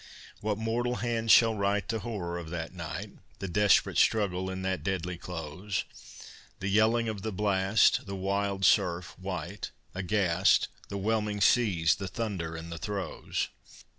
What mortal hand shall write The horror of that night, The desperate struggle in that deadly close, The yelling of the blast, The wild surf, white, aghast, The whelming seas, the thunder and the throes!